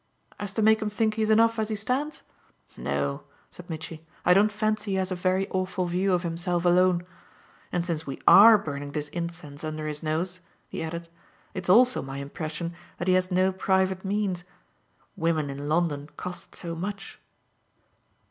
"As to make him think he's enough as he stands? No," said Mitchy, "I don't fancy he has a very awful view of himself alone. And since we ARE burning this incense under his nose," he added, "it's also my impression that he has no private means. Women in London cost so much."